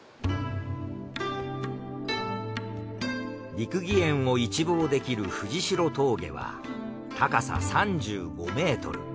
六義園を一望できる藤代峠は高さ３５ｍ。